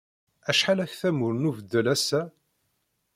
Acḥal aktamur n ubeddel ass-a?